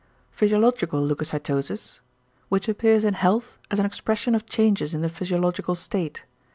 =physiological leucocytosis=, which appears in health as an expression of changes in the physiological state.